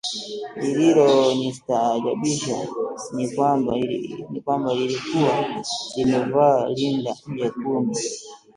Lililonistaajabisha ni kwamba lilikuwa limevaa rinda jekundu